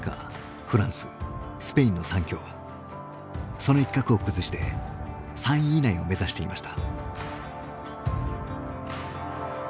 その一角を崩して３位以内を目指していました。